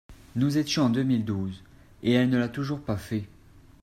»… Nous étions en deux mille douze, et elle ne l’a toujours pas fait.